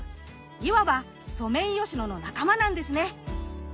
いわばソメイヨシノの仲間なんですね。